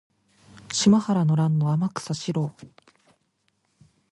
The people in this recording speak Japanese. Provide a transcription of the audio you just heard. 島原の乱の天草四郎